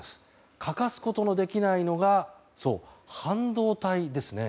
欠かすことのできないのがそう、半導体ですね。